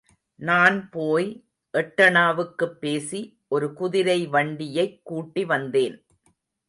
நான் போய் எட்டணாவுக்குப் பேசி ஒரு குதிரை வண்டியைக் கூட்டிவந்தேன்.